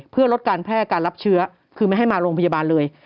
เพื่อลดการแพร่การรับเชื้อคือไม่ให้มาโรงพยาบาลเลย